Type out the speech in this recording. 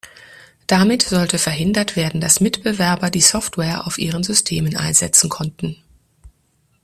Damit sollte verhindert werden, dass Mitbewerber die Software auf ihren Systemen einsetzen konnten.